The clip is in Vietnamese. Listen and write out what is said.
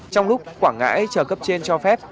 trong lúc quảng ngãi chở cấp trên cho phép